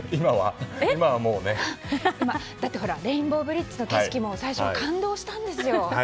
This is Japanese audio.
だって、ほらレインボーブリッジの景色も最初は感動したんですよ。